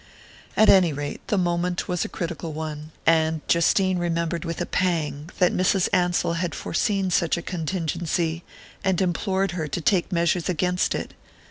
At any rate, the moment was a critical one, and Justine remembered with a pang that Mrs. Ansell had foreseen such a contingency, and implored her to take measures against it.